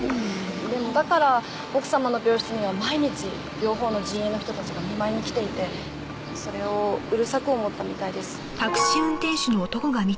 でもだから奥様の病室には毎日両方の陣営の人たちが見舞いに来ていてそれをうるさく思ったみたいです。